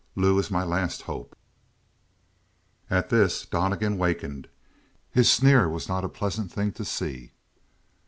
Lou is my last hope!" At this Donnegan wakened. His sneer was not a pleasant thing to see.